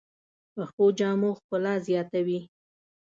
پخو جامو ښکلا زیاته وي